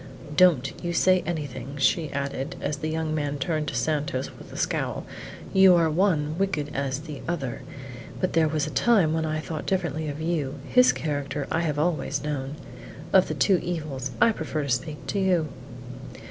"Don't you say anything," she added, as the young man turned on Santos with a scowl; "you are one as wicked as the other, but there was a time when I thought differently of you: his character I have always known. Of the two evils, I prefer to speak to you."